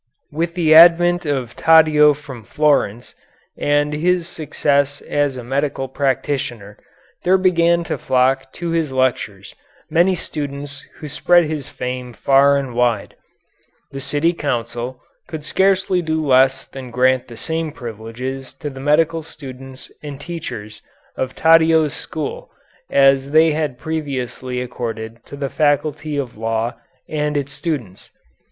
With the advent of Taddeo from Florence, and his success as a medical practitioner, there began to flock to his lectures many students who spread his fame far and wide. The city council could scarcely do less than grant the same privileges to the medical students and teachers of Taddeo's school as they had previously accorded to the faculty of law and its students.